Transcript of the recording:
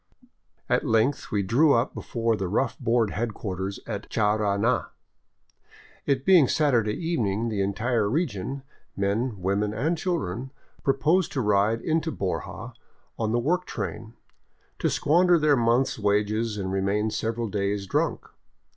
At length we drew up before the rough board headquarters at Charana. It being Saturday evening, the entire region, men, women, and children, proposed to ride into Borja on the work train, to squan der their month's wages and remain several days drunk.